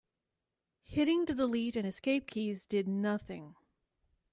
Hitting the delete and escape keys did nothing.